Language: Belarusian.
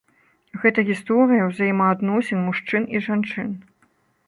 Гэта гісторыя ўзаемаадносін мужчын і жанчын.